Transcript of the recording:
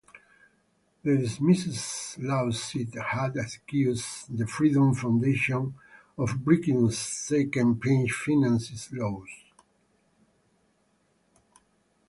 The dismissed lawsuit had accused the Freedom Foundation of breaking state campaign-finance laws.